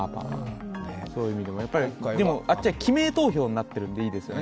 でもあっちは記名投票になってるので、いいですよね。